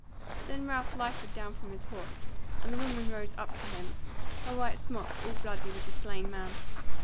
Then Ralph lighted down from his horse, and the woman rose up to him, her white smock all bloody with the slain man.